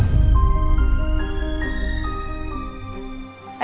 ayo keluar kamu